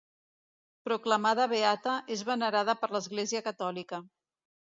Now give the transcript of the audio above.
Proclamada beata, és venerada per l'Església catòlica.